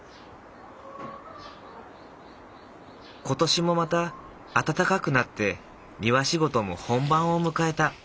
今年もまた暖かくなって庭仕事も本番を迎えた。